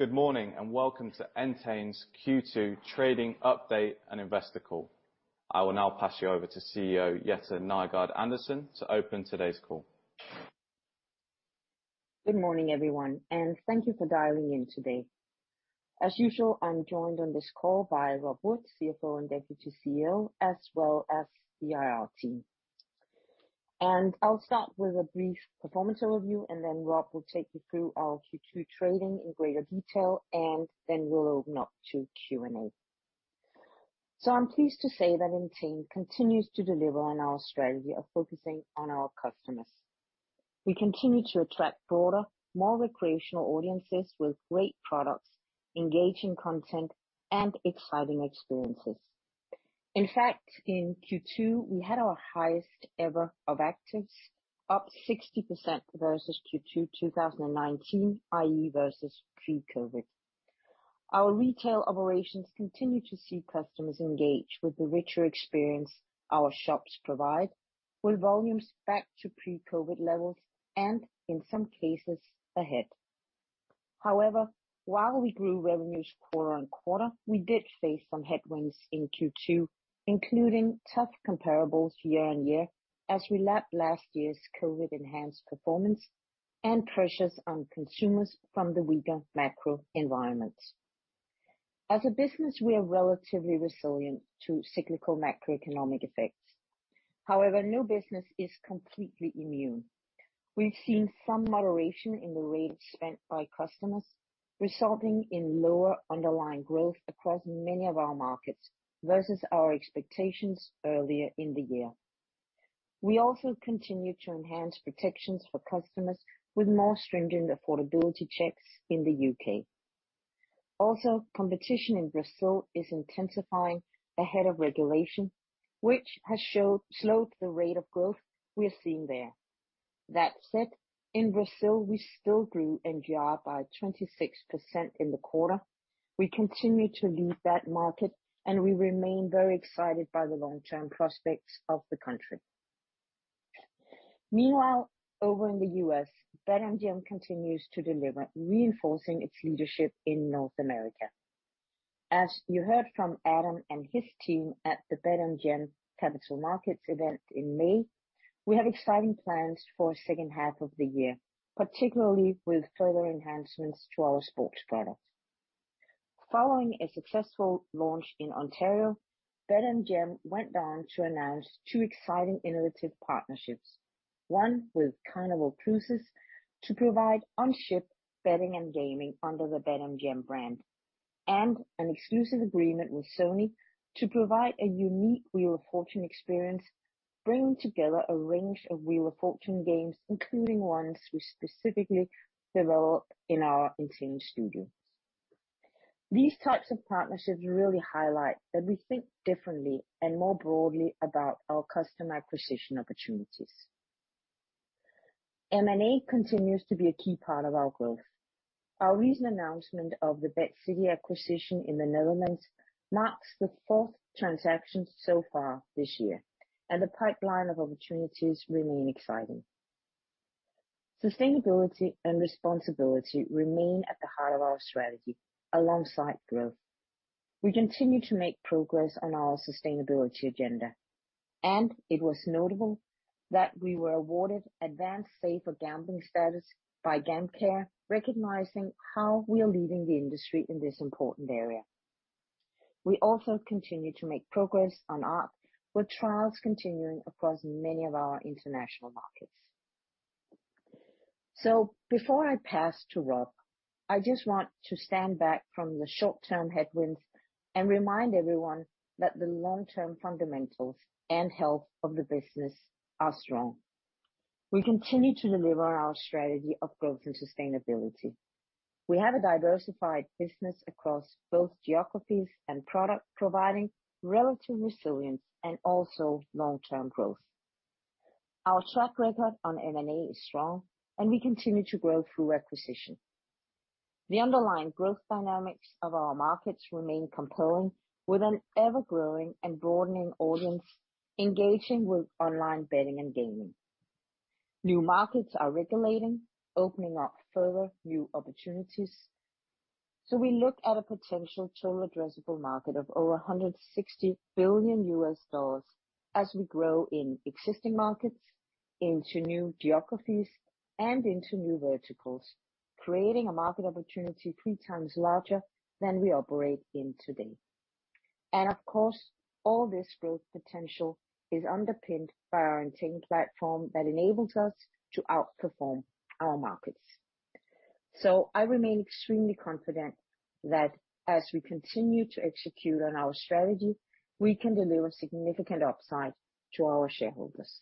Good morning, and welcome to Entain's Q2 trading update and investor call. I will now pass you over to CEO, Jette Nygaard-Andersen to open today's call. Good morning, everyone, and thank you for dialing in today. As usual, I'm joined on this call by Rob Wood, CFO and Deputy CEO, as well as the IR team. I'll start with a brief performance overview, and then Rob will take you through our Q2 trading in greater detail, and then we'll open up to Q&A. I'm pleased to say that Entain continues to deliver on our strategy of focusing on our customers. We continue to attract broader, more recreational audiences with great products, engaging content and exciting experiences. In fact, in Q2, we had our highest ever of actives, up 60% versus Q2 2019, i.e., versus pre-COVID. Our retail operations continue to see customers engage with the richer experience our shops provide, with volumes back to pre-COVID levels and in some cases ahead. However, while we grew revenues quarter-over-quarter, we did face some headwinds in Q2, including tough comparables year-over-year as we lapped last year's COVID enhanced performance and pressures on consumers from the weaker macro environment. As a business, we are relatively resilient to cyclical macroeconomic effects. However, no business is completely immune. We've seen some moderation in the rate spent by customers, resulting in lower underlying growth across many of our markets versus our expectations earlier in the year. We also continue to enhance protections for customers with more stringent affordability checks in the U.K. Also, competition in Brazil is intensifying ahead of regulation, which has slowed the rate of growth we're seeing there. That said, in Brazil we still grew NGR by 26% in the quarter. We continue to lead that market, and we remain very excited by the long-term prospects of the country. Meanwhile, over in the U.S., BetMGM continues to deliver, reinforcing its leadership in North America. As you heard from Adam and his team at the BetMGM Capital Markets event in May, we have exciting plans for second half of the year, particularly with further enhancements to our sports product. Following a successful launch in Ontario, BetMGM went on to announce two exciting innovative partnerships. One with Carnival Corporation to provide on-ship betting and gaming under the BetMGM brand, and an exclusive agreement with Sony to provide a unique Wheel of Fortune experience, bringing together a range of Wheel of Fortune games, including ones we specifically developed in our Entain studios. These types of partnerships really highlight that we think differently and more broadly about our customer acquisition opportunities. M&A continues to be a key part of our growth. Our recent announcement of the BetCity acquisition in the Netherlands marks the fourth transaction so far this year, and the pipeline of opportunities remain exciting. Sustainability and responsibility remain at the heart of our strategy alongside growth. We continue to make progress on our sustainability agenda, and it was notable that we were awarded Advanced Safer Gambling status by GamCare, recognizing how we are leading the industry in this important area. We also continue to make progress on ARC, with trials continuing across many of our international markets. Before I pass to Rob, I just want to stand back from the short-term headwinds and remind everyone that the long-term fundamentals and health of the business are strong. We continue to deliver on our strategy of growth and sustainability. We have a diversified business across both geographies and product providing relative resilience and also long-term growth. Our track record on M&A is strong, and we continue to grow through acquisition. The underlying growth dynamics of our markets remain compelling, with an ever-growing and broadening audience engaging with online betting and gaming. New markets are regulating, opening up further new opportunities, so we look at a potential total addressable market of over $160 billion as we grow in existing markets into new geographies and into new verticals, creating a market opportunity three times larger than we operate in today. Of course, all this growth potential is underpinned by our Entain platform that enables us to outperform our markets. I remain extremely confident that as we continue to execute on our strategy, we can deliver significant upside to our shareholders.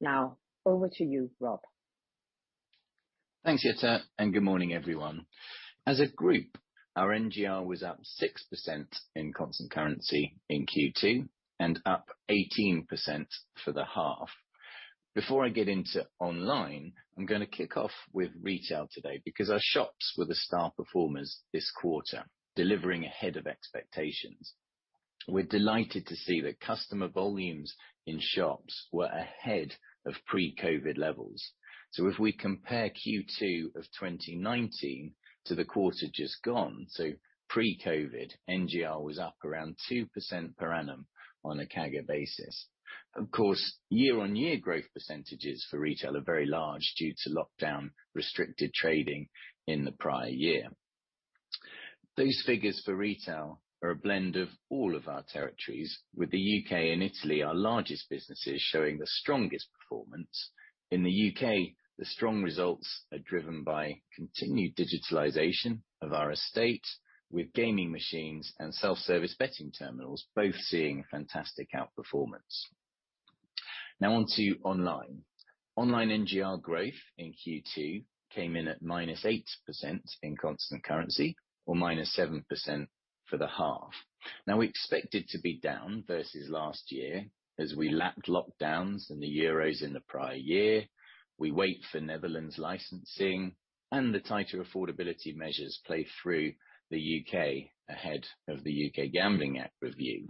Now over to you, Rob. Thanks, Jette, and good morning, everyone. As a group, our NGR was up 6% in constant currency in Q2 and up 18% for the half. Before I get into online, I'm gonna kick off with retail today because our shops were the star performers this quarter, delivering ahead of expectations. We're delighted to see that customer volumes in shops were ahead of pre-COVID levels. If we compare Q2 of 2019 to the quarter just gone, so pre-COVID, NGR was up around 2% per annum on a CAGR basis. Of course, year-on-year growth percentages for retail are very large due to lockdown restricted trading in the prior year. Those figures for retail are a blend of all of our territories with the U.K. and Italy, our largest businesses, showing the strongest performance. In the U.K., the strong results are driven by continued digitalization of our estate, with gaming machines and self-service betting terminals both seeing fantastic outperformance. Now on to online. Online NGR growth in Q2 came in at minus 8% in constant currency, or minus 7% for the half. Now we expect it to be down versus last year as we lapped lockdowns and the Euros in the prior year. We wait for Netherlands licensing and the tighter affordability measures play through the U.K. ahead of the U.K. Gambling Act review.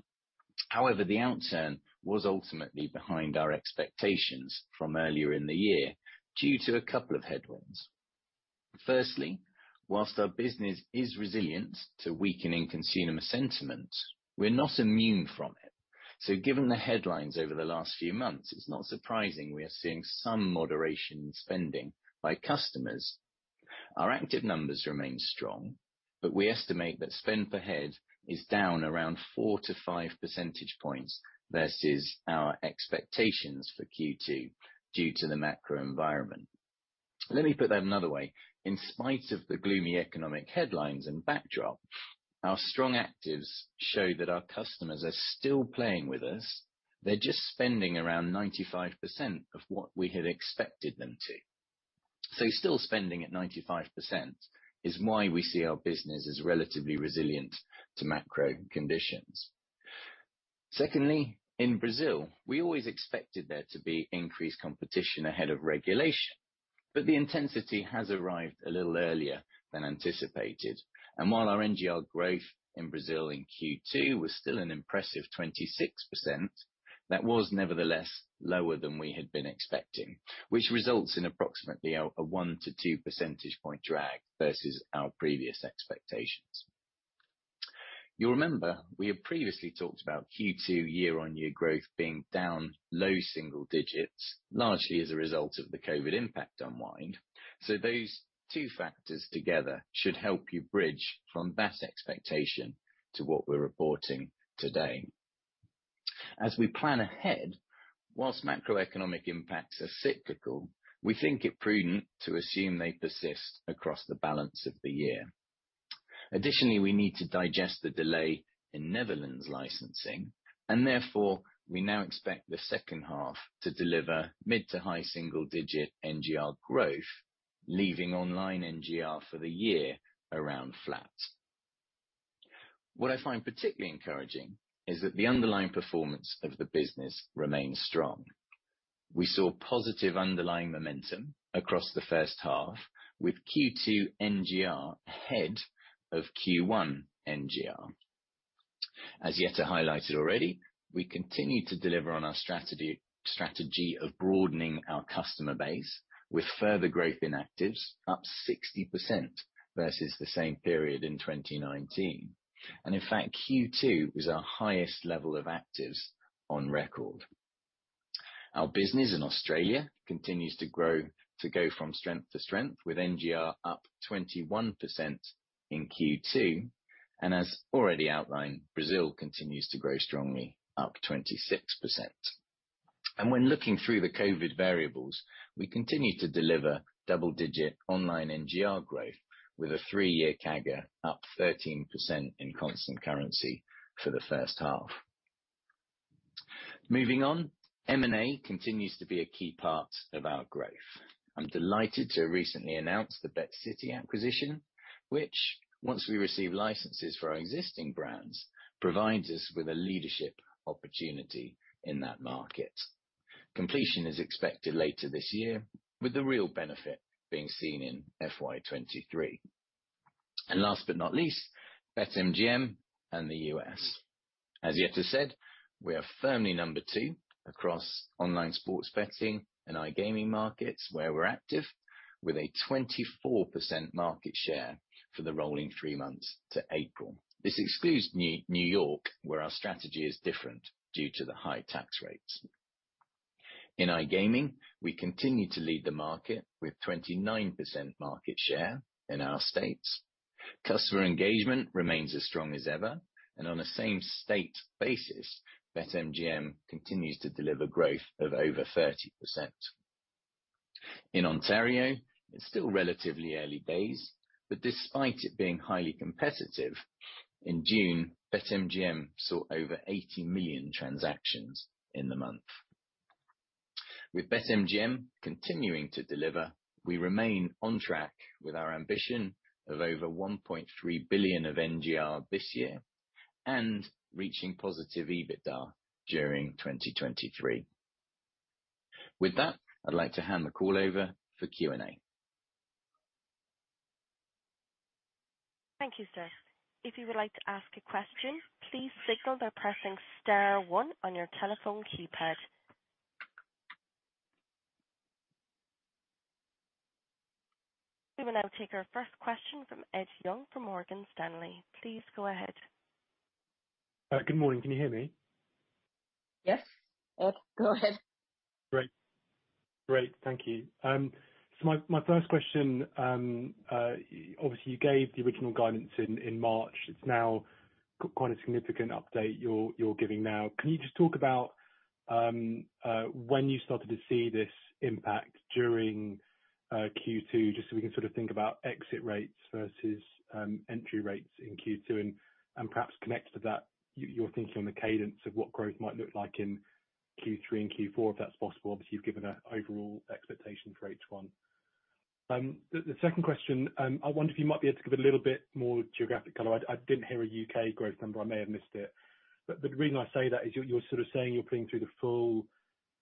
However, the outturn was ultimately behind our expectations from earlier in the year due to a couple of headwinds. Firstly, whilst our business is resilient to weakening consumer sentiment, we're not immune from it. Given the headlines over the last few months, it's not surprising we are seeing some moderation in spending by customers. Our active numbers remain strong, but we estimate that spend per head is down around 4-5 percentage points versus our expectations for Q2 due to the macro environment. Let me put that another way. In spite of the gloomy economic headlines and backdrop, our strong actives show that our customers are still playing with us. They're just spending around 95% of what we had expected them to. Still spending at 95% is why we see our business as relatively resilient to macro conditions. Secondly, in Brazil, we always expected there to be increased competition ahead of regulation, but the intensity has arrived a little earlier than anticipated. While our NGR growth in Brazil in Q2 was still an impressive 26%, that was nevertheless lower than we had been expecting, which results in approximately a 1-2 percentage point drag versus our previous expectations. You'll remember we had previously talked about Q2 year-on-year growth being down low single digits, largely as a result of the COVID impact unwind. Those two factors together should help you bridge from that expectation to what we're reporting today. As we plan ahead, while macroeconomic impacts are cyclical, we think it prudent to assume they persist across the balance of the year. Additionally, we need to digest the delay in Netherlands licensing, and therefore, we now expect the second half to deliver mid- to high-single-digit NGR growth, leaving online NGR for the year around flat. What I find particularly encouraging is that the underlying performance of the business remains strong. We saw positive underlying momentum across the first half with Q2 NGR ahead of Q1 NGR. As Jette highlighted already, we continue to deliver on our strategy of broadening our customer base with further growth in actives up 60% versus the same period in 2019. In fact, Q2 was our highest level of actives on record. Our business in Australia continues to go from strength to strength with NGR up 21% in Q2. As already outlined, Brazil continues to grow strongly, up 26%. When looking through the COVID variables, we continue to deliver double-digit online NGR growth with a three-year CAGR up 13% in constant currency for the first half. Moving on, M&A continues to be a key part of our growth. I'm delighted to recently announce the BetCity acquisition, which once we receive licenses for our existing brands, provides us with a leadership opportunity in that market. Completion is expected later this year, with the real benefit being seen in FY 2023. Last but not least, BetMGM and the U.S. As Jette said, we are firmly number two across online sports betting and iGaming markets, where we're active, with a 24% market share for the rolling three months to April. This excludes New York, where our strategy is different due to the high tax rates. In iGaming, we continue to lead the market with 29% market share in our states. Customer engagement remains as strong as ever. On a same state basis, BetMGM continues to deliver growth of over 30%. In Ontario, it's still relatively early days, but despite it being highly competitive, in June, BetMGM saw over 80 million transactions in the month. With BetMGM continuing to deliver, we remain on track with our ambition of over $1.3 billion of NGR this year and reaching positive EBITDA during 2023. With that, I'd like to hand the call over for Q&A. Thank you, sir. If you would like to ask a question, please signal by pressing star one on your telephone keypad. We will now take our first question from Ed Young, from Morgan Stanley. Please go ahead. Good morning. Can you hear me? Yes. Yes, go ahead. Great. Thank you. My first question, obviously you gave the original guidance in March. It's now quite a significant update you're giving now. Can you just talk about when you started to see this impact during Q2, just so we can sort of think about exit rates versus entry rates in Q2, and perhaps connect to that your thinking on the cadence of what growth might look like in Q3 and Q4, if that's possible, but you've given a overall expectation for H1. The second question, I wonder if you might be able to give a little bit more geographic color. I didn't hear a U.K. growth number. I may have missed it. The reason I say that is you're sort of saying you're putting through the full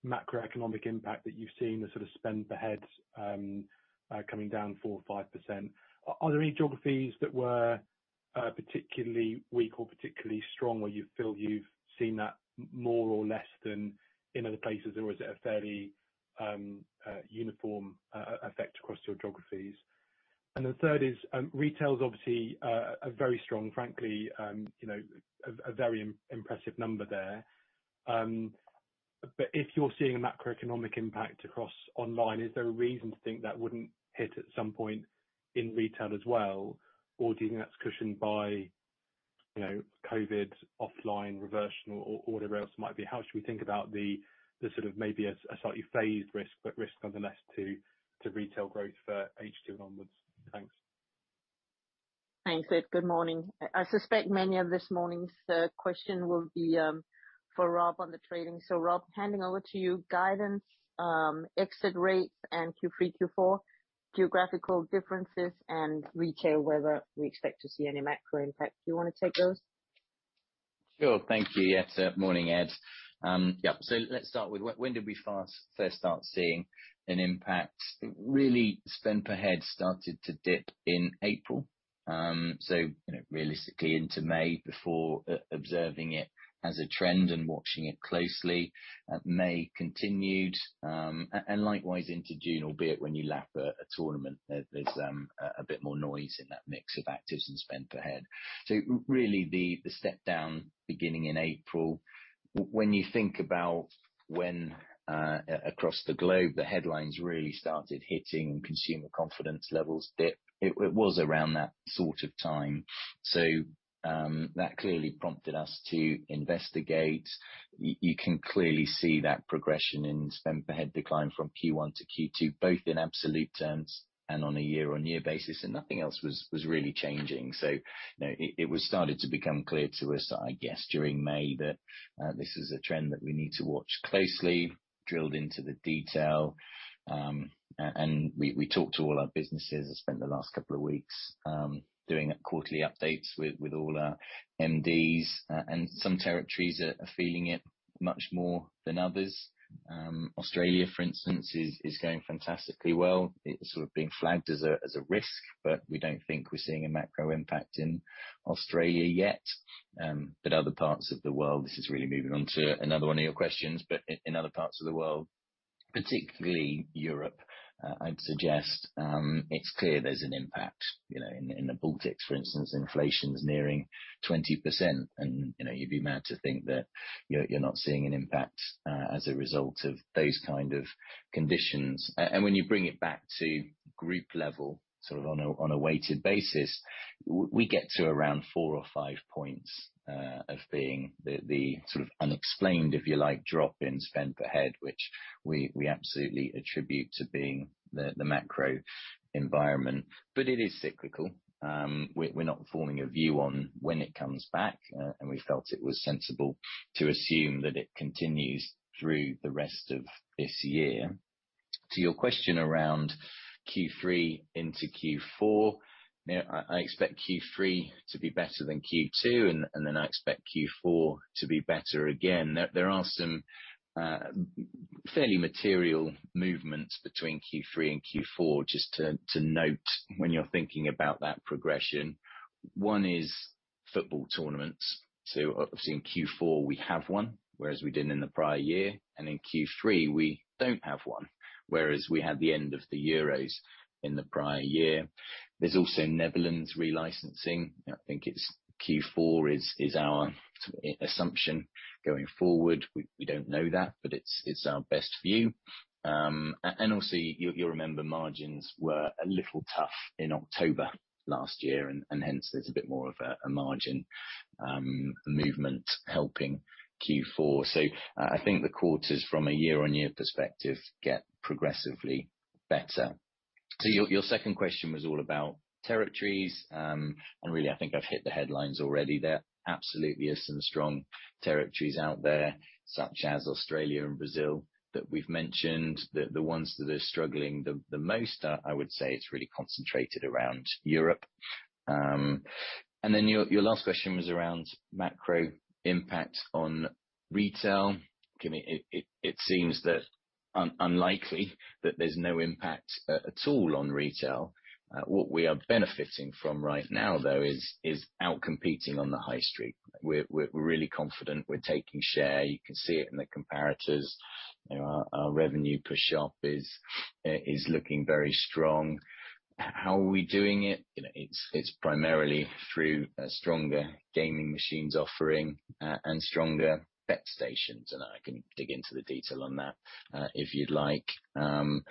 macroeconomic impact that you've seen, the sort of spend per head coming down 4% or 5%. Are there any geographies that were particularly weak or particularly strong, where you feel you've seen that more or less than in other places? Was it a fairly uniform effect across your geographies? The third is, retail is obviously a very strong, frankly, you know, a very impressive number there. If you're seeing a macroeconomic impact across online, is there a reason to think that wouldn't hit at some point in retail as well? Do you think that's cushioned by you know, COVID offline reversion or whatever else it might be? How should we think about the sort of maybe a slightly phased risk, but risk nonetheless to retail growth for H2 onwards? Thanks. Thanks, Ed. Good morning. I suspect many of this morning's question will be for Rob on the trading. Rob, handing over to you. Guidance, exit rates and Q3, Q4 geographical differences and retail, whether we expect to see any macro impact. Do you wanna take those? Sure. Thank you. Yes, morning, Ed. Let's start with when did we first start seeing an impact? Really, spend per head started to dip in April. Realistically into May, before observing it as a trend and watching it closely. May continued, and likewise into June, albeit when you lap a tournament, there's a bit more noise in that mix of actives and spend per head. Really the step down beginning in April. When you think about when, across the globe, the headlines really started hitting and consumer confidence levels dip, it was around that sort of time. That clearly prompted us to investigate. You can clearly see that progression in spend per head decline from Q1 to Q2, both in absolute terms and on a year-on-year basis, and nothing else was really changing. You know, it was started to become clear to us, I guess, during May that this is a trend that we need to watch closely, drilled into the detail, and we talked to all our businesses. I spent the last couple of weeks doing quarterly updates with all our MDs, and some territories are feeling it much more than others. Australia, for instance, is going fantastically well. It's sort of being flagged as a risk, but we don't think we're seeing a macro impact in Australia yet. Other parts of the world, this is really moving on to another one of your questions, but in other parts of the world, particularly Europe, I'd suggest, it's clear there's an impact. You know, in the Baltics, for instance, inflation's nearing 20% and, you know, you'd be mad to think that you're not seeing an impact as a result of those kind of conditions. And when you bring it back to group level, sort of on a weighted basis, we get to around 4 or 5 points as being the sort of unexplained, if you like, drop in spend per head, which we absolutely attribute to being the macro environment. It is cyclical. We're not forming a view on when it comes back, and we felt it was sensible to assume that it continues through the rest of this year. To your question around Q3 into Q4, you know, I expect Q3 to be better than Q2, and then I expect Q4 to be better again. There are some fairly material movements between Q3 and Q4 just to note when you're thinking about that progression. One is football tournaments. So obviously in Q4 we have one, whereas we didn't in the prior year, and in Q3 we don't have one, whereas we had the end of the Euros in the prior year. There's also Netherlands re-licensing. I think it's Q4 is our assumption going forward. We don't know that, but it's our best view. Obviously you'll remember margins were a little tough in October last year and hence there's a bit more of a margin movement helping Q4. I think the quarters from a year-on-year perspective get progressively better. Your second question was all about territories and really, I think I've hit the headlines already there. Absolutely are some strong territories out there, such as Australia and Brazil that we've mentioned. The ones that are struggling the most, I would say is really concentrated around Europe. Then your last question was around macro impact on retail. I mean, it seems that it's unlikely that there's no impact at all on retail. What we are benefiting from right now though is outcompeting on the high street. We're really confident. We're taking share. You can see it in the comparators. Our revenue push-up is looking very strong. How are we doing it? It's primarily through a stronger gaming machines offering, and stronger bet stations, and I can dig into the detail on that, if you'd like. We're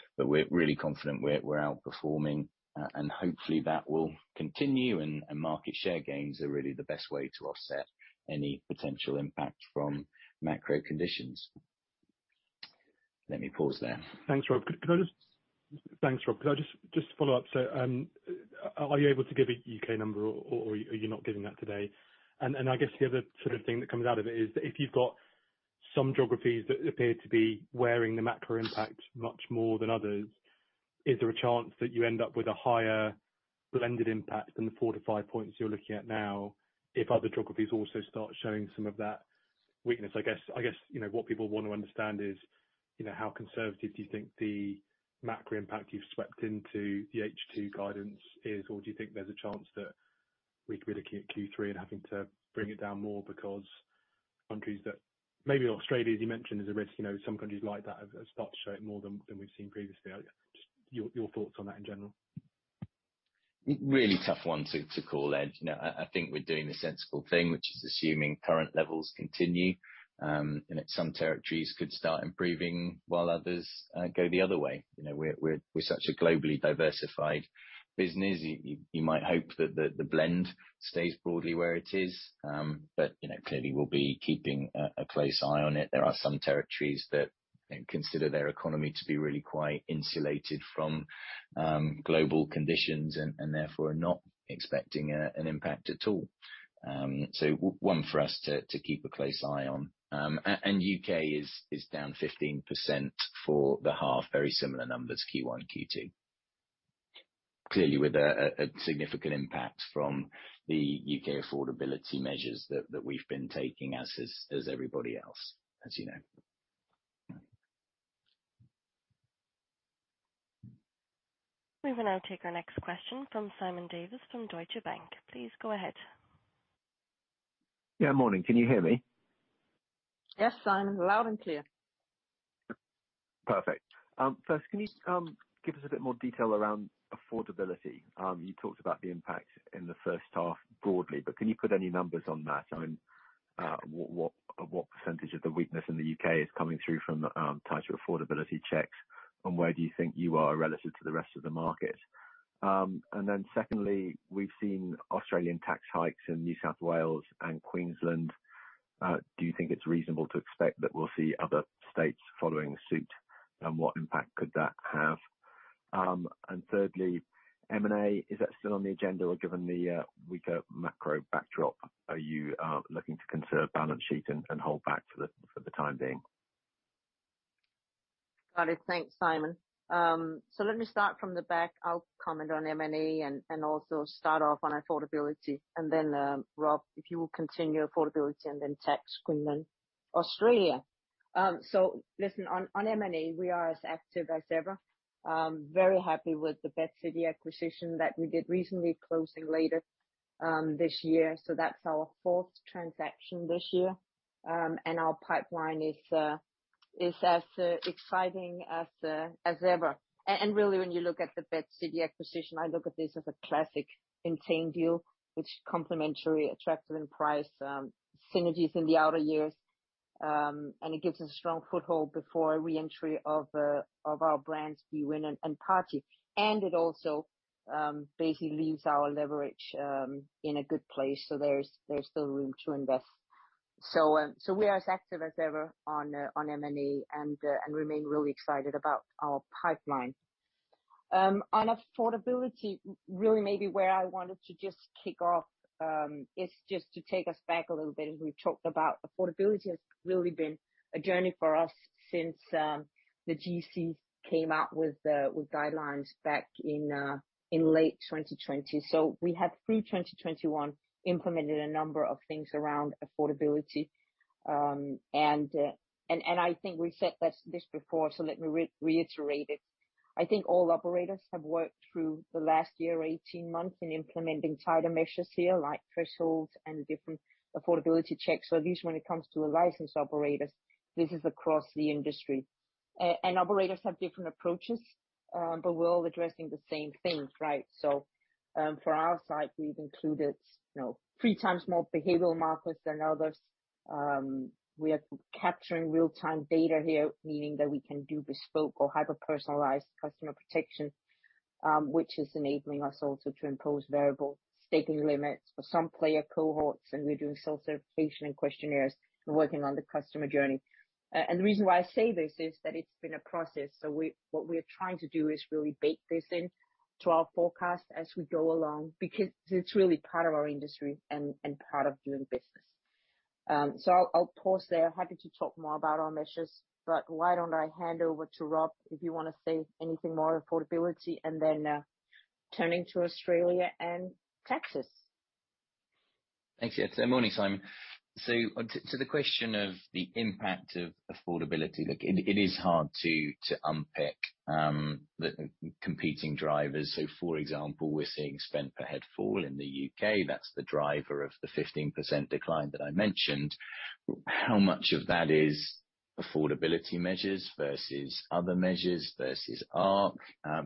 really confident we're outperforming, and hopefully that will continue and market share gains are really the best way to offset any potential impact from macro conditions. Let me pause there. Thanks, Rob. Could I just follow up? So, are you able to give a U.K. number or are you not giving that today? I guess the other sort of thing that comes out of it is that if you've got some geographies that appear to be wearing the macro impact much more than others, is there a chance that you end up with a higher blended impact than the 4%-5% you're looking at now, if other geographies also start showing some of that weakness? I guess, you know, what people wanna understand is, you know, how conservative do you think the macro impact you've swept into the H2 guidance is, or do you think there's a chance that we could be looking at Q3 and having to bring it down more because countries that Maybe Australia, as you mentioned, is a risk. You know, some countries like that have started to show more than we've seen previously. I guess just your thoughts on that in general. Really tough one to call, Ed. You know, I think we're doing the sensible thing, which is assuming current levels continue, and that some territories could start improving while others go the other way. You know, we're such a globally diversified business. You might hope that the blend stays broadly where it is, but you know, clearly we'll be keeping a close eye on it. There are some territories that you know, consider their economy to be really quite insulated from global conditions and therefore not expecting an impact at all. One for us to keep a close eye on. U.K. is down 15% for the half. Very similar numbers Q1, Q2. Clearly with a significant impact from the U.K. affordability measures that we've been taking, as is everybody else, as you know. We will now take our next question from Simon Davies from Deutsche Bank. Please go ahead. Yeah. Morning. Can you hear me? Yes, Simon. Loud and clear. Perfect. First, can you give us a bit more detail around affordability? You talked about the impact in the first half broadly, but can you put any numbers on that? I mean, what percentage of the weakness in the U.K. is coming through from tighter affordability checks, and where do you think you are relative to the rest of the market? Secondly, we've seen Australian tax hikes in New South Wales and Queensland. Do you think it's reasonable to expect that we'll see other states following suit, and what impact could that have? Thirdly, M&A, is that still on the agenda, or given the weaker macro backdrop, are you looking to conserve balance sheet and hold back for the time being? Got it. Thanks, Simon. Let me start from the back. I'll comment on M&A and also start off on affordability. Rob, if you will continue affordability and then tax, Queensland, Australia. Listen, on M&A, we are as active as ever. Very happy with the BetCity acquisition that we did recently closing later this year. That's our fourth transaction this year. Our pipeline is as exciting as ever. Really, when you look at the BetCity acquisition, I look at this as a classic Entain deal which complementary, attractive in price, synergies in the outer years, and it gives us a strong foothold before reentry of our brands bwin and partypoker. It also basically leaves our leverage in a good place, so there's still room to invest. We are as active as ever on M&A and remain really excited about our pipeline. On affordability, really maybe where I wanted to just kick off is just to take us back a little bit, as we've talked about, affordability has really been a journey for us since the UKGC came out with guidelines back in late 2020. We have, through 2021, implemented a number of things around affordability. I think we've said this before, so let me reiterate it. I think all operators have worked through the last year or 18 months in implementing tighter measures here, like thresholds and different affordability checks. At least when it comes to the licensed operators, this is across the industry. Operators have different approaches, but we're all addressing the same things, right? For our side, we've included, you know, three times more behavioral markers than others. We are capturing real-time data here, meaning that we can do bespoke or hyper-personalized customer protection, which is enabling us also to impose variable staking limits for some player cohorts, and we're doing self-certification and questionnaires and working on the customer journey. The reason why I say this is that it's been a process. What we're trying to do is really bake this into our forecast as we go along because it's really part of our industry and part of doing business. I'll pause there. Happy to talk more about our measures, but why don't I hand over to Rob, if you wanna say anything more on affordability, and then, turning to Australia and taxes. Thanks, yeah. Morning, Simon. To the question of the impact of affordability, look, it is hard to unpick the competing drivers. For example, we're seeing spend per head fall in the U.K. That's the driver of the 15% decline that I mentioned. How much of that is affordability measures versus other measures versus ARC,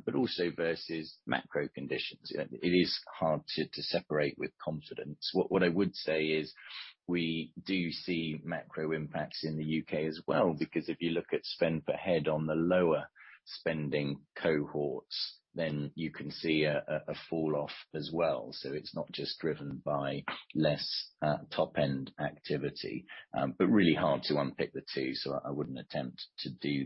but also versus macro conditions? It is hard to separate with confidence. What I would say is we do see macro impacts in the U.K. as well, because if you look at spend per head on the lower spending cohorts, then you can see a fall off as well. It's not just driven by less top-end activity, but really hard to unpick the two, so I wouldn't attempt to do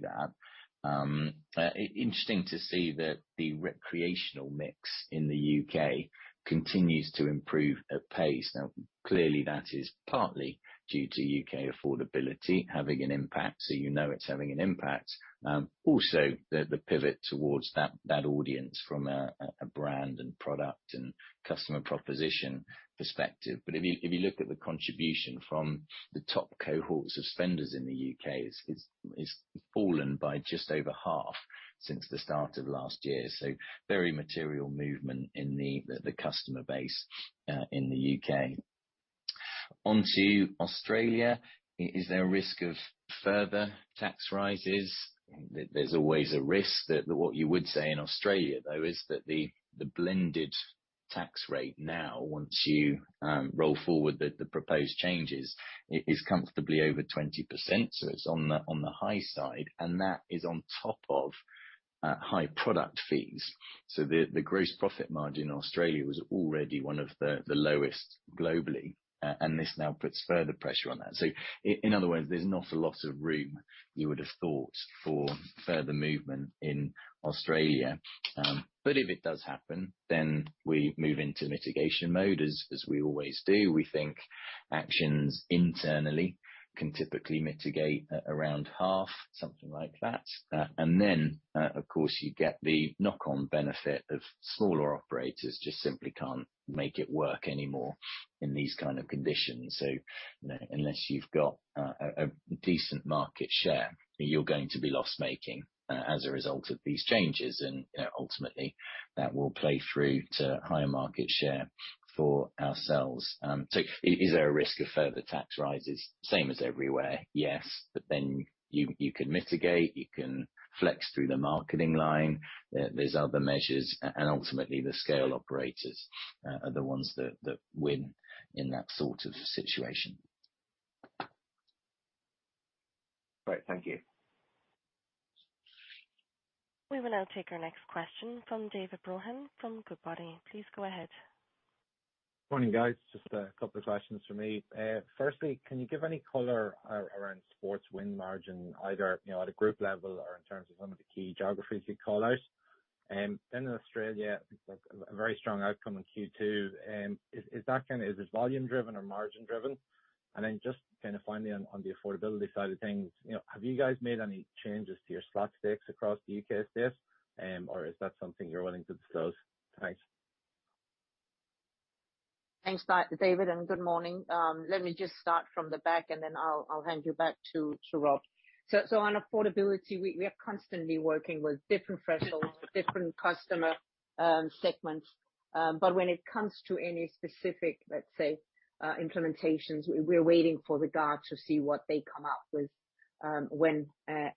that. Interesting to see that the recreational mix in the U.K. continues to improve apace. Now, clearly that is partly due to U.K. affordability having an impact, so you know it's having an impact. Also the pivot towards that audience from a brand and product and customer proposition perspective. If you look at the contribution from the top cohorts of spenders in the U.K., it's fallen by just over half since the start of last year. Very material movement in the customer base in the U.K. On to Australia, is there a risk of further tax rises? There's always a risk that what you would say in Australia, though, is that the blended tax rate now, once you roll forward the proposed changes, is comfortably over 20%, so it's on the high side, and that is on top of high product fees. The gross profit margin in Australia was already one of the lowest globally, and this now puts further pressure on that. In other words, there's an awful lot of room you would have thought for further movement in Australia. If it does happen, then we move into mitigation mode as we always do. We think actions internally can typically mitigate around half, something like that. Of course, you get the knock-on benefit of smaller operators just simply can't make it work anymore in these kind of conditions. You know, unless you've got a decent market share, you're going to be loss-making as a result of these changes. You know, ultimately, that will play through to higher market share for ourselves. Is there a risk of further tax rises? Same as everywhere, yes. You can mitigate, you can flex through the marketing line. There's other measures, and ultimately, the scale operators are the ones that win in that sort of situation. Great. Thank you. We will now take our next question from David Brohan from Goodbody. Please go ahead. Morning, guys. Just a couple of questions from me. Firstly, can you give any color around sports win margin, either, you know, at a group level or in terms of some of the key geographies you'd call out? In Australia, a very strong outcome in Q2. Is this volume driven or margin driven? Just kind of finally on the affordability side of things, you know, have you guys made any changes to your slot stakes across the U.K. estate, or is that something you're willing to disclose? Thanks. Thanks, David, and good morning. Let me just start from the back, and then I'll hand you back to Rob. On affordability, we are constantly working with different thresholds, different customer segments. When it comes to any specific, let's say, implementations, we're waiting for the government to see what they come up with,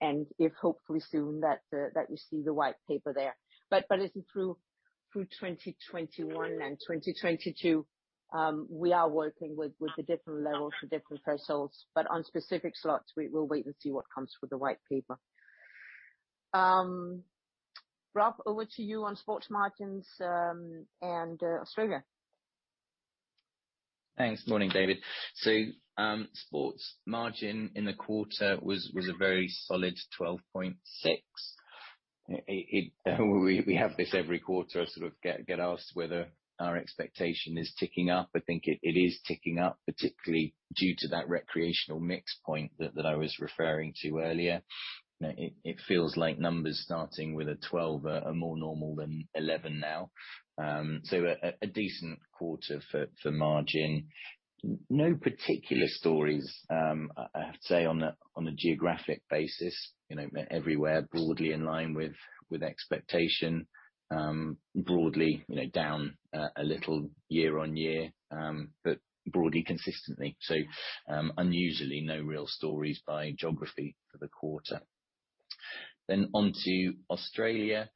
and if hopefully soon we see the white paper there. Through 2021 and 2022, we are working with the different levels for different thresholds. On specific slots, we will wait and see what comes with the white paper. Rob, over to you on sports margins and Australia. Thanks. Morning, David. Sports margin in the quarter was a very solid 12.6%. We have this every quarter, sort of get asked whether our expectation is ticking up. I think it is ticking up, particularly due to that recreational mix point that I was referring to earlier. You know, it feels like numbers starting with a 12 are more normal than 11 now. A decent quarter for margin. No particular stories, I have to say on a geographic basis, you know, everywhere broadly in line with expectation, broadly, you know, down a little year-over-year, but broadly consistently. Unusually no real stories by geography for the quarter. On to Australia,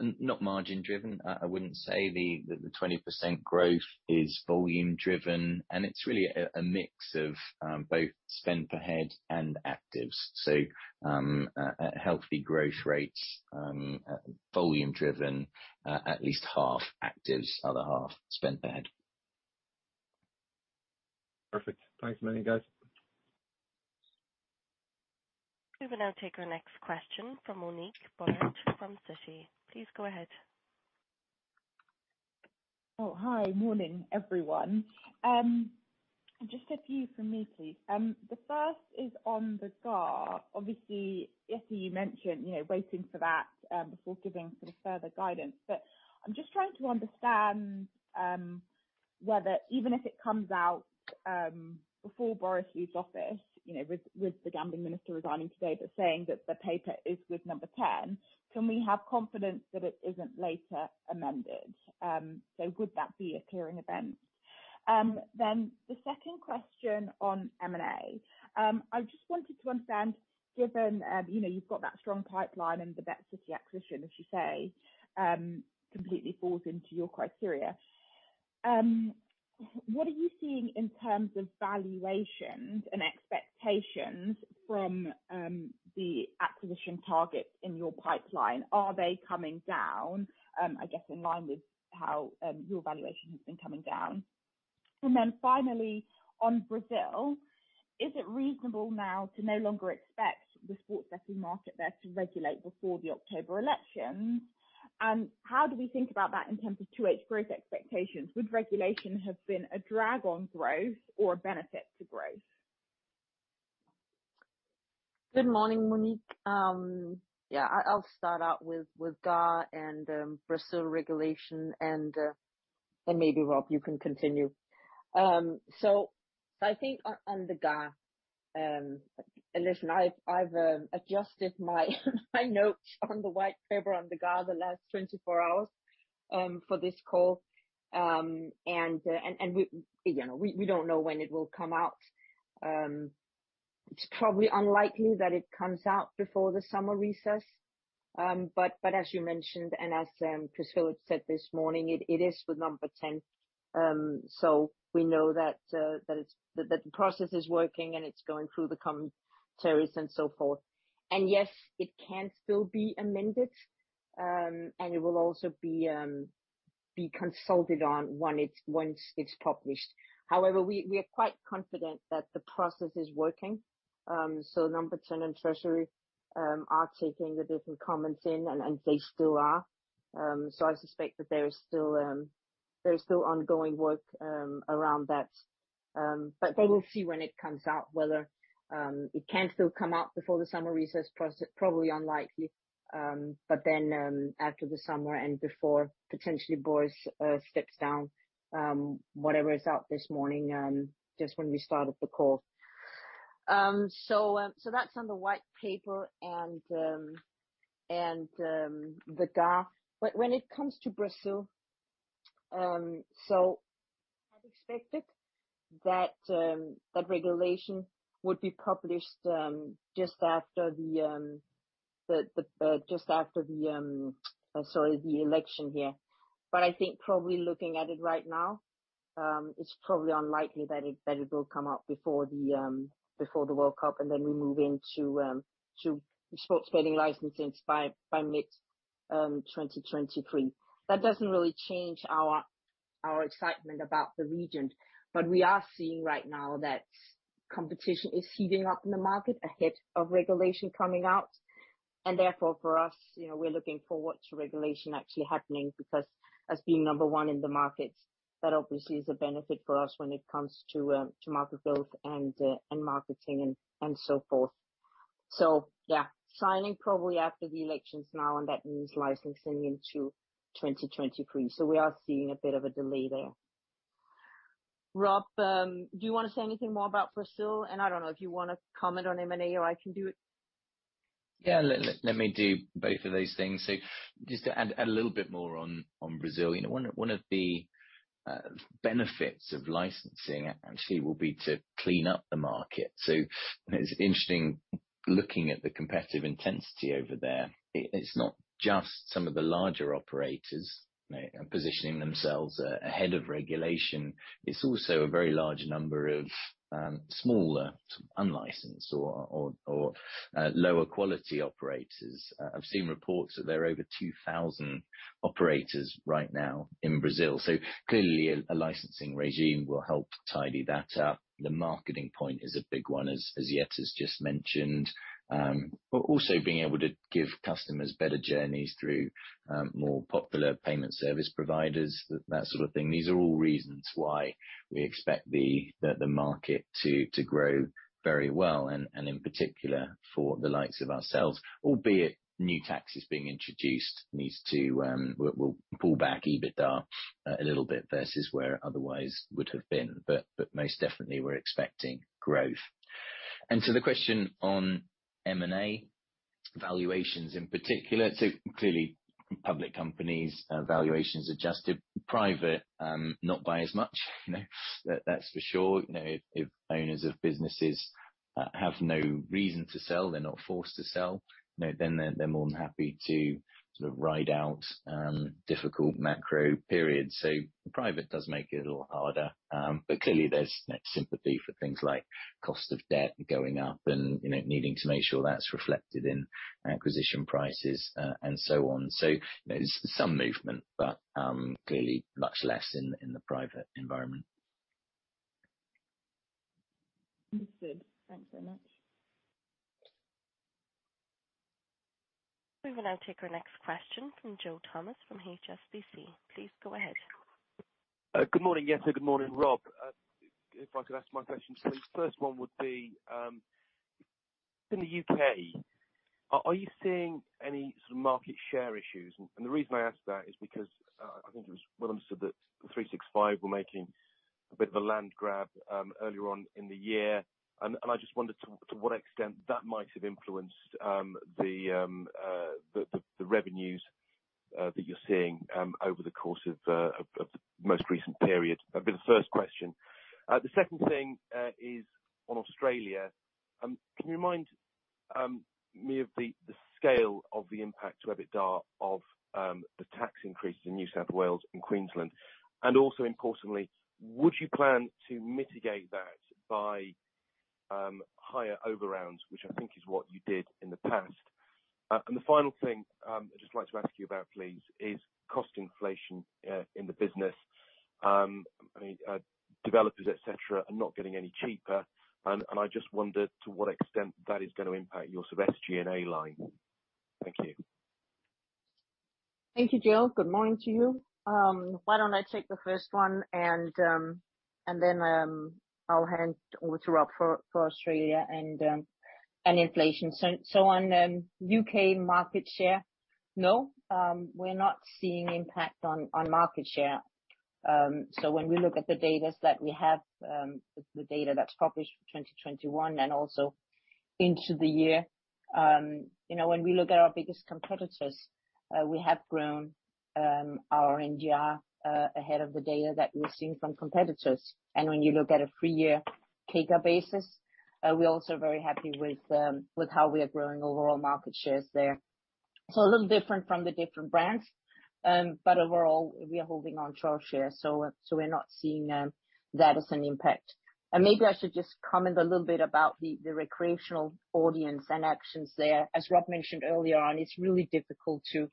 not margin driven. I wouldn't say the 20% growth is volume driven, and it's really a mix of both spend per head and actives. A healthy growth rates, volume driven, at least half actives, other half spend per head. Perfect. Thanks a million, guys. We will now take our next question from Monique Pollard from Citi. Please go ahead. Oh, hi. Morning, everyone. Just a few from me, please. The first is on the GAR. Obviously, Jette, you mentioned, you know, waiting for that, before giving sort of further guidance. I'm just trying to understand, whether even if it comes out, before Boris leaves office, you know, with the gambling minister resigning today, but saying that the paper is with number ten, can we have confidence that it isn't later amended? So would that be a clearing event? Then the second question on M&A. I just wanted to understand, given, you know, you've got that strong pipeline and the BetCity acquisition, as you say, completely falls into your criteria. What are you seeing in terms of valuations and expectations from, the acquisition targets in your pipeline? Are they coming down, I guess, in line with how your valuation has been coming down? Then finally, on Brazil, is it reasonable now to no longer expect the sports betting market there to regulate before the October elections? How do we think about that in terms of 2%-8% growth expectations? Would regulation have been a drag on growth or a benefit to growth? Good morning, Monique. I'll start out with GAR and Brazil regulation and maybe Rob, you can continue. I think on the GAR, I've adjusted my notes on the white paper on the GAR the last 24 hours for this call. You know, we don't know when it will come out. It's probably unlikely that it comes out before the summer recess. But as you mentioned, and as Chris Philp said this morning, it is with Number Ten. So we know that the process is working, and it's going through the commentaries and so forth. Yes, it can still be amended, and it will also be consulted on once it's published. However, we are quite confident that the process is working. Number Ten and Treasury are taking the different comments in and they still are. I suspect that there is still ongoing work around that. They will see when it comes out whether it can still come out before the summer recess. Probably unlikely. Then after the summer and before potentially Boris steps down, whatever is out this morning just when we started the call. That's on the White Paper and the GAR. When it comes to Brazil, I expected that regulation would be published just after the election here. I think probably looking at it right now, it's probably unlikely that it will come out before the World Cup, and then we move into sports betting licensing by mid-2023. That doesn't really change our excitement about the region. We are seeing right now that competition is heating up in the market ahead of regulation coming out. Therefore, for us, you know, we're looking forward to regulation actually happening because us being number one in the market, that obviously is a benefit for us when it comes to market growth and marketing and so forth. Yeah, signing probably after the elections now, and that means licensing into 2023. We are seeing a bit of a delay there. Rob, do you wanna say anything more about Brazil? I don't know if you wanna comment on M&A, or I can do it. Yeah, let me do both of those things. Just to add a little bit more on Brazil. You know, one of the benefits of licensing actually will be to clean up the market. It's interesting looking at the competitive intensity over there. It's not just some of the larger operators, you know, positioning themselves ahead of regulation. It's also a very large number of smaller, unlicensed or lower quality operators. I've seen reports that there are over 2,000 operators right now in Brazil. Clearly a licensing regime will help tidy that up. The marketing point is a big one, as Jette has just mentioned. Also being able to give customers better journeys through more popular payment service providers, that sort of thing. These are all reasons why we expect the market to grow very well, and in particular for the likes of ourselves. Albeit new taxes being introduced will pull back EBITDA a little bit versus where it otherwise would have been. Most definitely we're expecting growth. To the question on M&A valuations in particular, so clearly public companies valuations adjusted private not by as much, you know, that's for sure. You know, if owners of businesses have no reason to sell, they're not forced to sell, you know, then they're more than happy to sort of ride out difficult macro periods. Private does make it a little harder. Clearly there's, you know, sympathy for things like cost of debt going up and, you know, needing to make sure that's reflected in acquisition prices, and so on. There's some movement, but clearly much less in the private environment. Understood. Thanks so much. We will now take our next question from Joe Thomas from HSBC. Please go ahead. Good morning. Yes, good morning, Rob. If I could ask my question, please. First one would be, in the U.K., are you seeing any sort of market share issues? The reason I ask that is because, I think it was well understood that bet365 were making a bit of a land grab, earlier on in the year. I just wondered to what extent that might have influenced, the revenues that you're seeing, over the course of, the most recent period. That'd be the first question. The second thing is on Australia. Can you remind me of the scale of the impact to EBITDA of the tax increases in New South Wales and Queensland? Also, importantly, would you plan to mitigate that by higher overrounds, which I think is what you did in the past. The final thing I'd just like to ask you about, please, is cost inflation in the business. I mean, developers, et cetera, are not getting any cheaper, and I just wondered to what extent that is gonna impact your sort of SG&A line. Thank you. Thank you, Joe. Good morning to you. Why don't I take the first one, and then I'll hand over to Rob for Australia and inflation. On U.K. market share, we're not seeing impact on market share. When we look at the data that we have, the data that's published for 2021 and also into the year, you know, when we look at our biggest competitors, we have grown our NGR ahead of the data that we're seeing from competitors. When you look at a three-year tracker basis, we're also very happy with how we are growing overall market shares there. A little different for the different brands, but overall, we are holding on to our share. We're not seeing that as an impact. Maybe I should just comment a little bit about the recreational audience and actions there. As Rob mentioned earlier on, it's really difficult to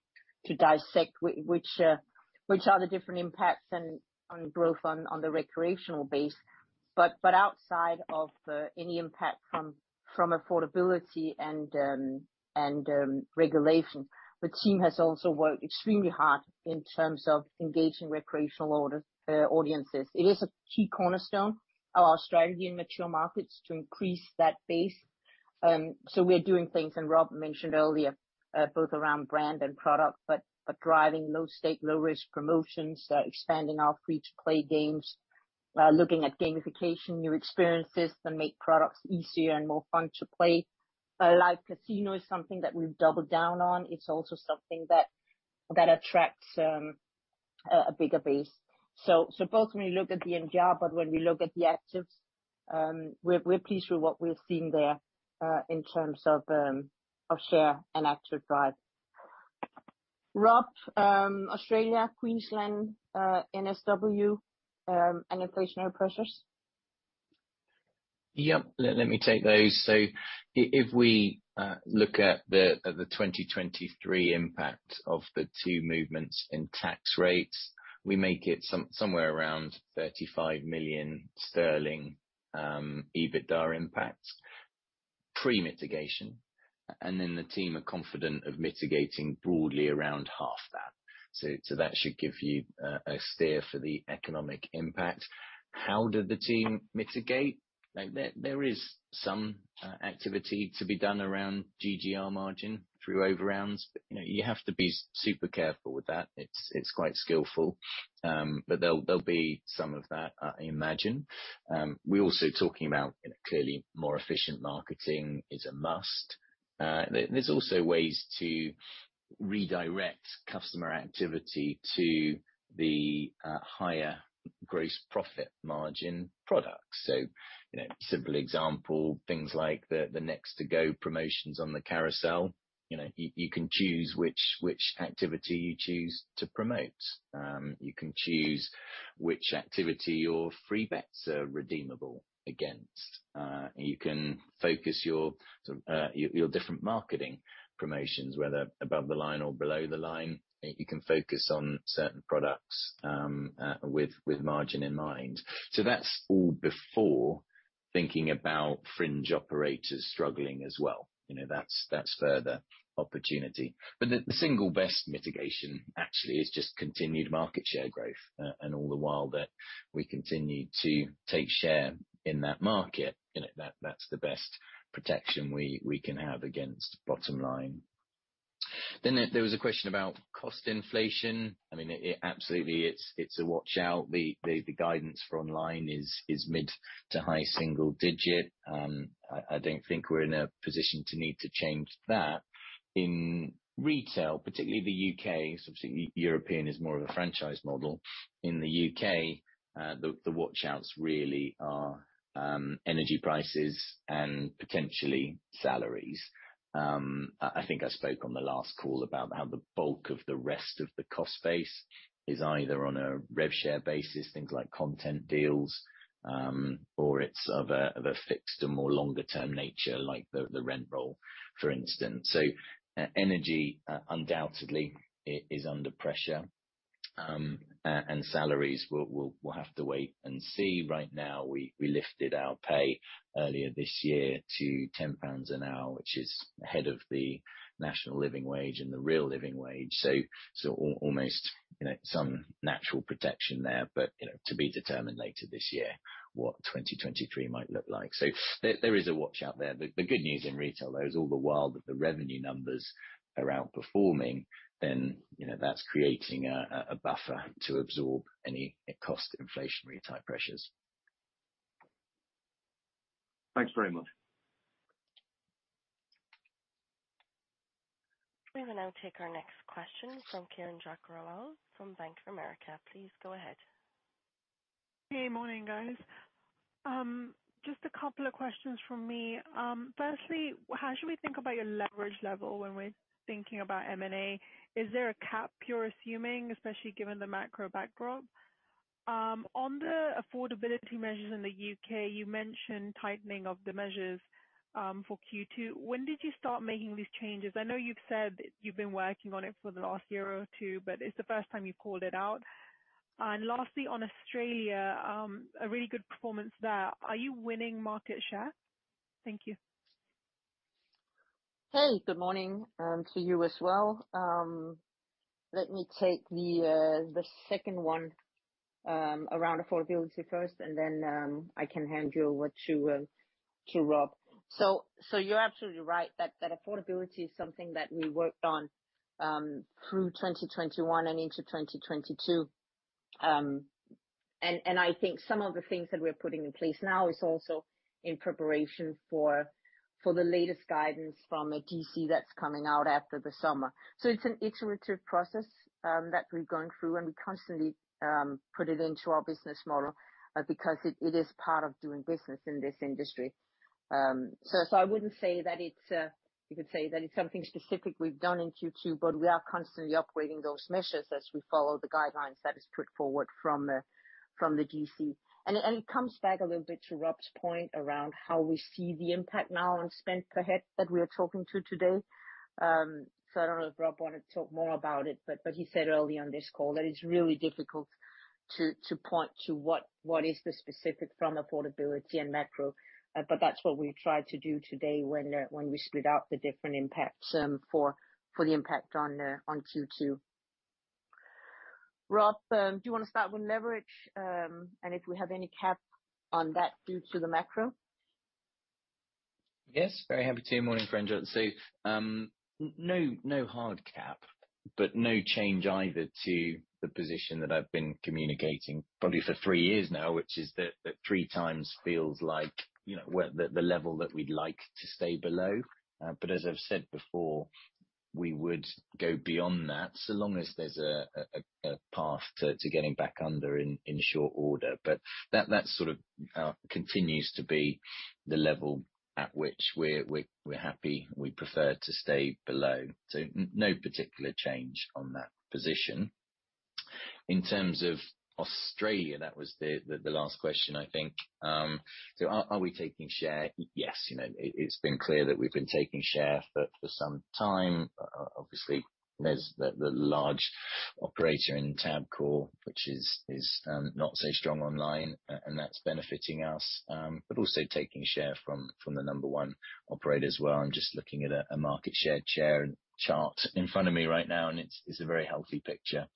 dissect which are the different impacts and on growth on the recreational base. Outside of any impact from affordability and regulation, the team has also worked extremely hard in terms of engaging recreational audiences. It is a key cornerstone of our strategy in mature markets to increase that base. We are doing things, and Rob mentioned earlier, both around brand and product, but driving low stake, low risk promotions, expanding our free-to-play games, looking at gamification, new experiences that make products easier and more fun to play. Live casino is something that we've doubled down on. It's also something that that attracts a bigger base. Both when we look at the NGR, but when we look at the actives, we're pleased with what we're seeing there in terms of of share and active drive. Rob, Australia, Queensland, NSW, and inflationary pressures. Yep. Let me take those. If we look at the 2023 impact of the two movements in tax rates, we make it somewhere around 35 million sterling, EBITDA impact, pre-mitigation. The team are confident of mitigating broadly around half that. That should give you a steer for the economic impact. How did the team mitigate? Like, there is some activity to be done around GGR margin through overrounds, but you know, you have to be super careful with that. It's quite skillful. There'll be some of that, I imagine. We're also talking about, you know, clearly more efficient marketing is a must. There's also ways to redirect customer activity to the higher gross profit margin products. You know, simple example, things like the next to go promotions on the carousel. You know, you can choose which activity you choose to promote. You can choose which activity your free bets are redeemable against. You can focus your sort of your different marketing promotions, whether above the line or below the line. You can focus on certain products with margin in mind. That's all before thinking about fringe operators struggling as well. You know, that's further opportunity. The single best mitigation actually is just continued market share growth. And all the while that we continue to take share in that market, you know, that's the best protection we can have against bottom line. There was a question about cost inflation. I mean, it absolutely, it's a watch out. The guidance for online is mid- to high-single-digit. I don't think we're in a position to need to change that. In retail, particularly the U.K., obviously European is more of a franchise model. In the U.K., the watch outs really are energy prices and potentially salaries. I think I spoke on the last call about how the bulk of the rest of the cost base is either on a rev share basis, things like content deals, or it's of a fixed or more longer term nature, like the rent roll, for instance. Energy undoubtedly is under pressure, and salaries, we'll have to wait and see. Right now, we lifted our pay earlier this year to 10 pounds an hour, which is ahead of the national living wage and the real living wage. Almost, you know, some natural protection there, but, you know, to be determined later this year what 2023 might look like. There is a watch out there. The good news in retail though, is all the while that the revenue numbers are outperforming, then, you know, that's creating a buffer to absorb any cost inflationary type pressures. Thanks very much. We will now take our next question from Kiranjot Grewal from Bank of America. Please go ahead. Morning, guys. Just a couple of questions from me. Firstly, how should we think about your leverage level when we're thinking about M&A? Is there a cap you're assuming, especially given the macro backdrop? On the affordability measures in the U.K., you mentioned tightening of the measures, for Q2. When did you start making these changes? I know you've said that you've been working on it for the last year or two, but it's the first time you've called it out. Lastly, on Australia, a really good performance there. Are you winning market share? Thank you. Hey, good morning, to you as well. Let me take the second one around affordability first, and then I can hand you over to Rob. You're absolutely right that affordability is something that we worked on through 2021 and into 2022. I think some of the things that we're putting in place now is also in preparation for the latest guidance from the GC that's coming out after the summer. It's an iterative process that we're going through, and we constantly put it into our business model because it is part of doing business in this industry. I wouldn't say that it's, you could say that it's something specific we've done in Q2, but we are constantly upgrading those measures as we follow the guidelines that is put forward from the DC. It comes back a little bit to Rob's point around how we see the impact now on spend per head that we are talking to today. I don't know if Rob wanted to talk more about it, but he said early on this call that it's really difficult to point to what is the specific from affordability and macro, but that's what we tried to do today when we split out the different impacts for the impact on Q2. Rob, do you wanna start with leverage, and if we have any cap on that due to the macro? Yes, very happy to. Morning, Kiranjot. No hard cap, but no change either to the position that I've been communicating probably for three years now, which is that three times feels like, you know, where the level that we'd like to stay below. As I've said before, we would go beyond that so long as there's a path to getting back under in short order. That sort of continues to be the level at which we're happy. We prefer to stay below. No particular change on that position. In terms of Australia, that was the last question I think. Are we taking share? Yes, you know, it's been clear that we've been taking share for some time. Obviously there's the large operator in Tabcorp, which is not so strong online and that's benefiting us, but also taking share from the number one operator as well. I'm just looking at a market share chart in front of me right now, and it's a very healthy picture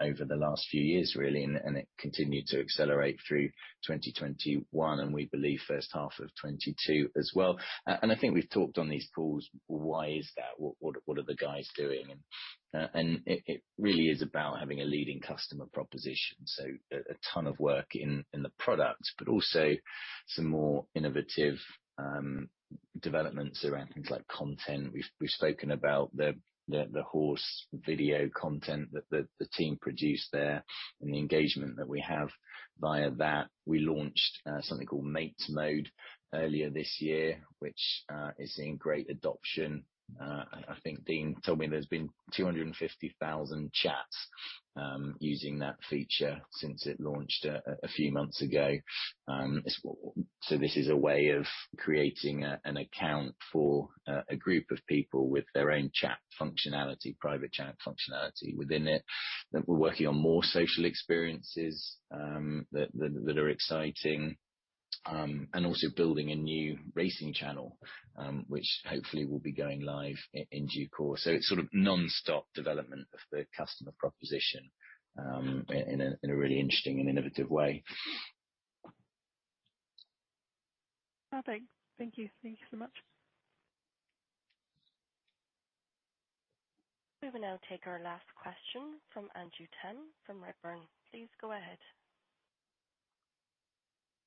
over the last few years really, and it continued to accelerate through 2021 and we believe first half of 2022 as well. I think we've talked on these calls, why is that, what are the guys doing? It really is about having a leading customer proposition. A ton of work in the product, but also some more innovative developments around things like content. We've spoken about the horse video content that the team produced there and the engagement that we have via that. We launched something called Mates Mode earlier this year, which is seeing great adoption. I think Dean told me there's been 250,000 chats using that feature since it launched a few months ago. This is a way of creating an account for a group of people with their own chat functionality, private chat functionality within it. We're working on more social experiences that are exciting and also building a new racing channel, which hopefully will be going live in due course. It's sort of nonstop development of the customer proposition in a really interesting and innovative way. Okay. Thank you. Thank you so much. We will now take our last question from Andrew Tam from Redburn. Please go ahead.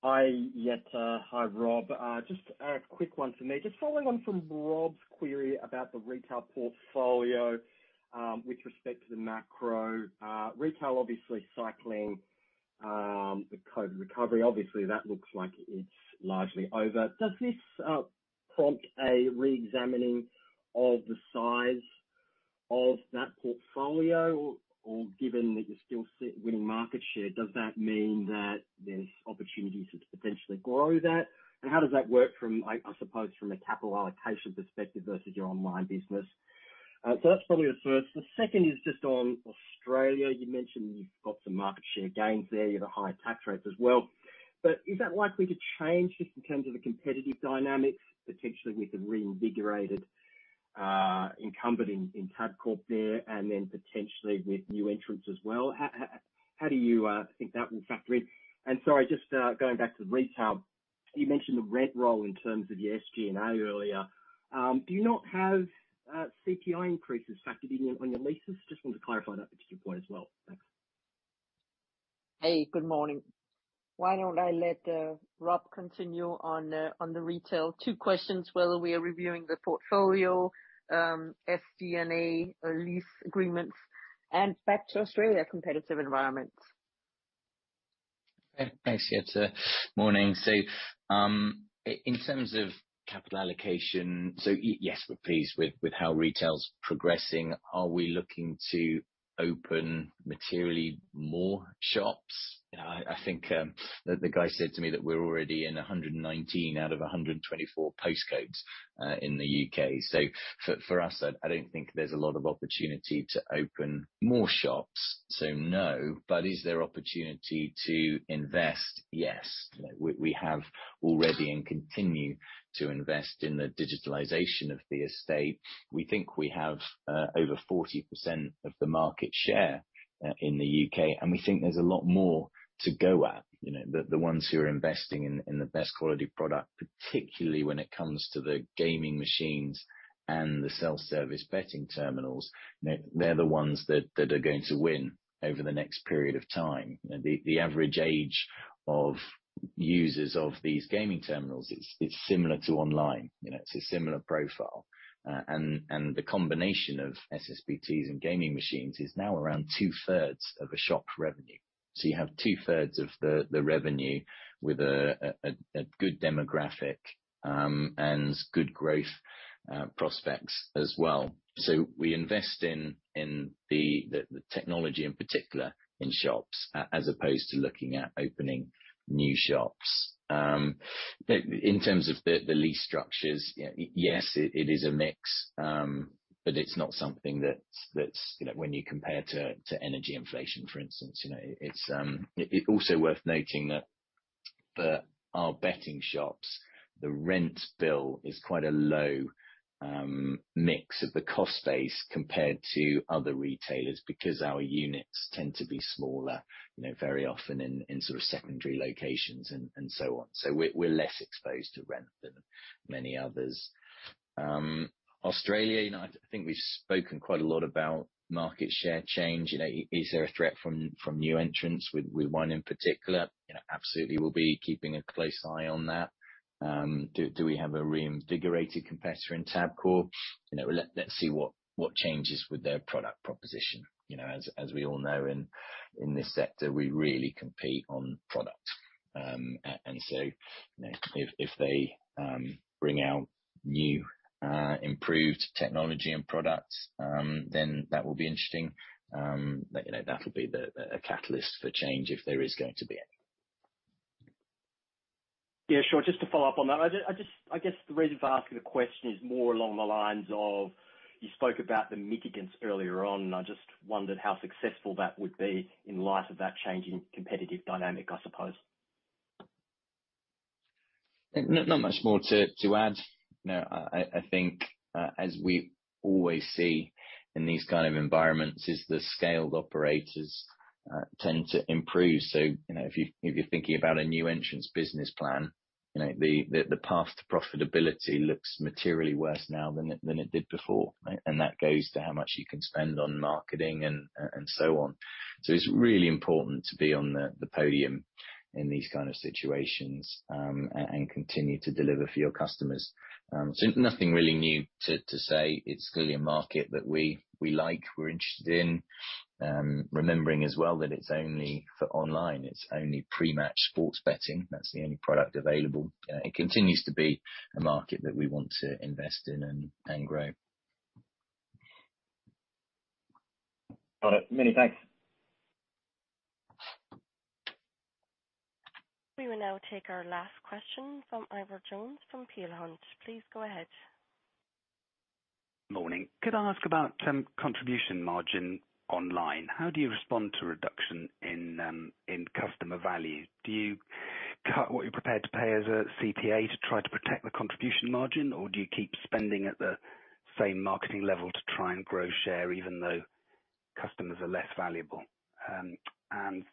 Hi, Jette. Hi, Rob. Just a quick one from me. Just following on from Rob's query about the retail portfolio, with respect to the macro. Retail obviously cycling, the COVID recovery, obviously that looks like it's largely over. Does this prompt a reexamining of the size of that portfolio or given that you're still winning market share, does that mean that there's opportunities to potentially grow that? And how does that work from I suppose from a capital allocation perspective versus your online business? So that's probably the first. The second is just on Australia. You mentioned you've got some market share gains there. You have a higher tax rates as well. But is that likely to change just in terms of the competitive dynamics, potentially with the reinvigorated incumbent in Tabcorp there and then potentially with new entrants as well? How do you think that will factor in? Sorry, just going back to retail, you mentioned the rent roll in terms of your SG&A earlier. Do you not have CPI increases factored in on your leases? Just wanted to clarify that particular point as well. Thanks. Hey, good morning. Why don't I let Rob continue on the retail two questions? Whether we are reviewing the portfolio, SG&A, lease agreements and back to Australia competitive environments. Thanks, Jette. Morning. In terms of capital allocation, yes, we're pleased with how retail is progressing. Are we looking to open materially more shops? I think the guy said to me that we're already in 119 out of 124 postcodes in the U.K. For us, I don't think there's a lot of opportunity to open more shops, so no. Is there opportunity to invest? Yes. We have already and continue to invest in the digitalization of the estate. We think we have over 40% of the market share in the U.K., and we think there's a lot more to go at. You know, the ones who are investing in the best quality product, particularly when it comes to the gaming machines and the self-service betting terminals, they're the ones that are going to win over the next period of time. The average age of users of these gaming terminals, it's similar to online. You know, it's a similar profile. And the combination of SSBTs and gaming machines is now around two-thirds of a shop's revenue. You have 2/3 of the revenue with a good demographic and good growth prospects as well. We invest in the technology, in particular in shops, as opposed to looking at opening new shops. In terms of the lease structures, yes, it is a mix, but it's not something that's, you know, when you compare to energy inflation, for instance, you know, it's. It's also worth noting that for our betting shops, the rent bill is quite a low mix of the cost base compared to other retailers because our units tend to be smaller, you know, very often in sort of secondary locations and so on. So we're less exposed to rent than many others. Australia, you know, I think we've spoken quite a lot about market share change. You know, is there a threat from new entrants with one in particular? You know, absolutely, we'll be keeping a close eye on that. Do we have a reinvigorated competitor in Tabcorp? You know, let's see what changes with their product proposition. You know, as we all know in this sector, we really compete on product. You know, if they bring out new improved technology and products, then that will be interesting. You know, that'll be a catalyst for change if there is going to be any. Yeah, sure. Just to follow up on that. I guess the reason for asking the question is more along the lines of, you spoke about the mitigants earlier on. I just wondered how successful that would be in light of that change in competitive dynamic, I suppose. Not much more to add. You know, I think, as we always see in these kind of environments, the scaled operators tend to improve. You know, if you're thinking about a new entrant business plan, the path to profitability looks materially worse now than it did before. Right? That goes to how much you can spend on marketing and so on. It's really important to be on the podium in these kind of situations and continue to deliver for your customers. Nothing really new to say. It's clearly a market that we like, we're interested in. Remembering as well that it's only for online, it's only pre-match sports betting. That's the only product available. You know, it continues to be a market that we want to invest in and grow. Got it. Many thanks. We will now take our last question from Ivor Jones from Peel Hunt. Please go ahead. Morning. Could I ask about contribution margin online? How do you respond to reduction in customer value? Do you cut what you're prepared to pay as a CPA to try to protect the contribution margin, or do you keep spending at the same marketing level to try and grow share even though customers are less valuable?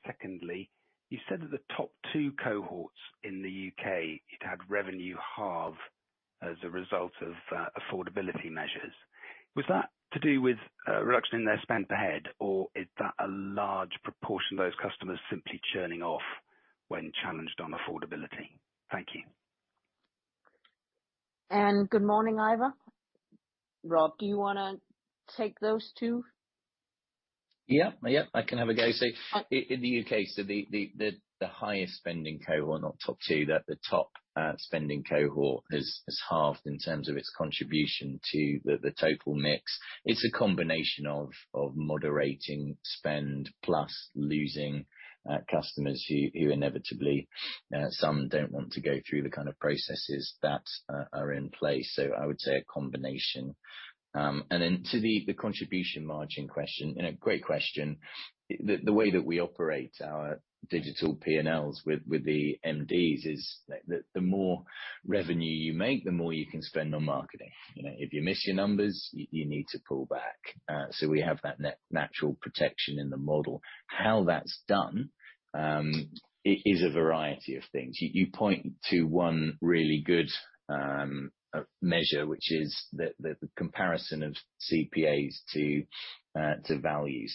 Secondly, you said that the top two cohorts in the U.K., you'd had revenue halve as a result of affordability measures. Was that to do with a reduction in their spend per head, or is that a large proportion of those customers simply churning off when challenged on affordability? Thank you. Good morning, Ivor. Rob, do you wanna take those two? Yeah, yeah, I can have a go. In the U.K., the highest spending cohort, not top two, the top spending cohort has halved in terms of its contribution to the total mix. It's a combination of moderating spend plus losing customers who inevitably some don't want to go through the kind of processes that are in place. I would say a combination. And then to the contribution margin question, you know, great question. The way that we operate our digital P&Ls with the MDs is the more revenue you make, the more you can spend on marketing. You know, if you miss your numbers, you need to pull back. We have that natural protection in the model. How that's done is a variety of things. You point to one really good measure, which is the comparison of CPAs to value.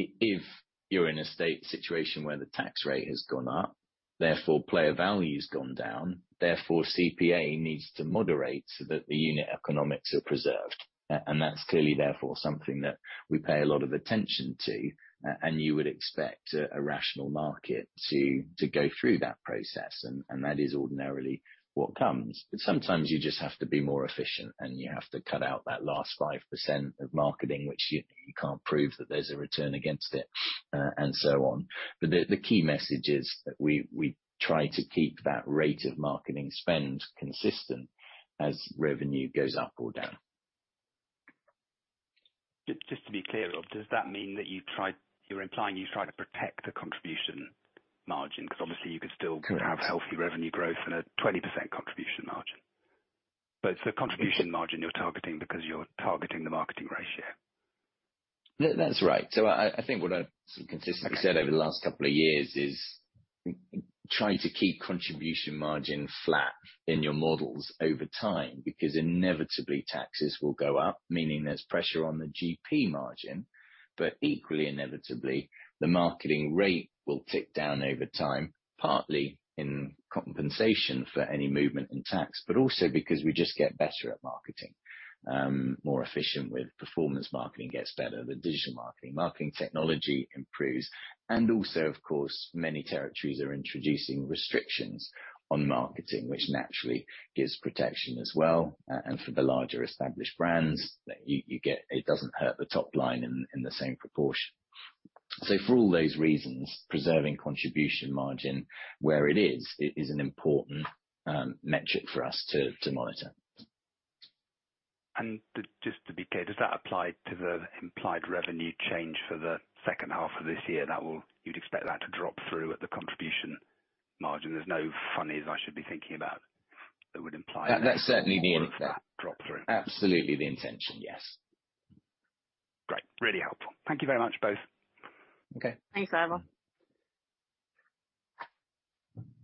If you're in a state situation where the tax rate has gone up, therefore player value's gone down, therefore CPA needs to moderate so that the unit economics are preserved. That's clearly therefore something that we pay a lot of attention to, you would expect a rational market to go through that process, and that is ordinarily what comes. Sometimes you just have to be more efficient, and you have to cut out that last 5% of marketing which you can't prove that there's a return against it, and so on. The key message is that we try to keep that rate of marketing spend consistent as revenue goes up or down. Just to be clear, Rob, does that mean that you're implying you try to protect the contribution margin? 'Cause obviously you could still- Correct. Have healthy revenue growth and a 20% contribution margin. It's the contribution margin you're targeting because you're targeting the marketing ratio. That's right. I think what I've consistently said over the last couple of years is try to keep contribution margin flat in your models over time. Because inevitably taxes will go up, meaning there's pressure on the GP margin. Equally inevitably, the marketing rate will tick down over time, partly in compensation for any movement in tax, but also because we just get better at marketing, more efficient with performance marketing gets better, the digital marketing technology improves. Also of course, many territories are introducing restrictions on marketing, which naturally gives protection as well. For the larger established brands that you get. It doesn't hurt the top line in the same proportion. For all those reasons, preserving contribution margin where it is an important metric for us to monitor. Just to be clear, does that apply to the implied revenue change for the second half of this year? You'd expect that to drop through at the contribution margin. There's no funnies I should be thinking about that would imply- That's certainly the intent. more of that drop through. Absolutely the intention, yes. Great. Really helpful. Thank you very much, both. Okay. Thanks, Ivor.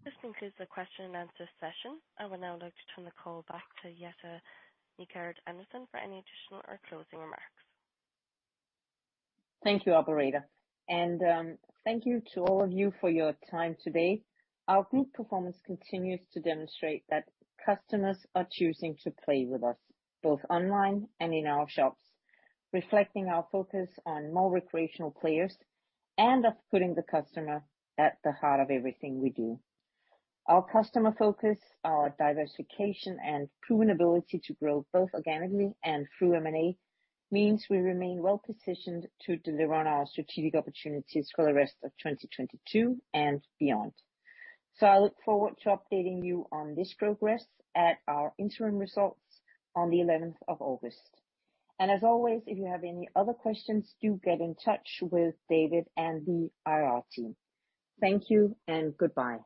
This concludes the question and answer session. I will now like to turn the call back to Jette Nygaard-Andersen for any additional or closing remarks. Thank you, operator. Thank you to all of you for your time today. Our group performance continues to demonstrate that customers are choosing to play with us both online and in our shops, reflecting our focus on more recreational players and of putting the customer at the heart of everything we do. Our customer focus, our diversification, and proven ability to grow both organically and through M&A means we remain well-positioned to deliver on our strategic opportunities for the rest of 2022 and beyond. I look forward to updating you on this progress at our interim results on the eleventh of August. As always, if you have any other questions, do get in touch with David and the IR team. Thank you and goodbye.